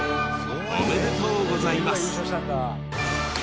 おめでとうございます。